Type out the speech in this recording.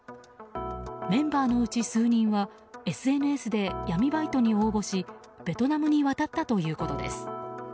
メンバーのうち数人はＳＮＳで闇バイトに応募しベトナムに渡ったということです。